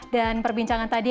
dan perbincangan tadi